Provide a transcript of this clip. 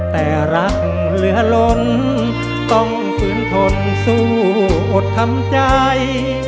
แต่รักเหลือล้นต้องฝืนทนสู้อดทำใจ